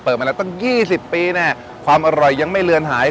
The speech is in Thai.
มาแล้วตั้ง๒๐ปีแน่ความอร่อยยังไม่เลือนหาย